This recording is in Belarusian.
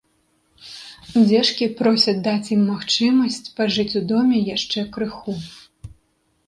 Дзешкі просяць даць ім магчымасць пажыць у доме яшчэ крыху.